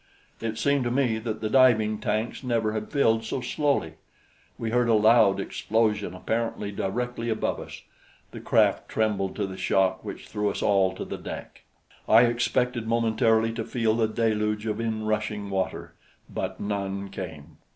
It seemed to me that the diving tanks never had filled so slowly. We heard a loud explosion apparently directly above us; the craft trembled to the shock which threw us all to the deck. I expected momentarily to feel the deluge of inrushing water, but none came.